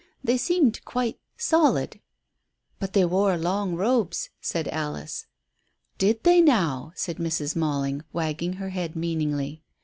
"They seemed quite solid." "But they wore long robes," said Alice. "Did they now?" said Mrs. Malling, wagging her head meaningly.